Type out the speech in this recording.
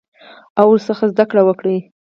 او ورڅخه زده کړه وکړي.